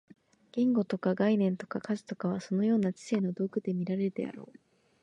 言語とか概念とか数とかは、そのような知性の道具と見られるであろう。